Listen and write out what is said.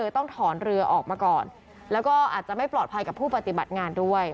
ต้องถอนเรือออกมาก่อนแล้วก็อาจจะไม่ปลอดภัยกับผู้ปฏิบัติงานด้วย